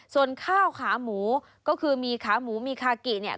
ส่วนข้าวขาหมูก็คือมีขาหมูมีคากิเนี่ย